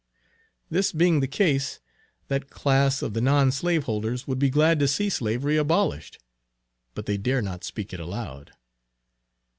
This being the case, that class of the non slaveholders would be glad to see slavery abolished, but they dare not speak it aloud.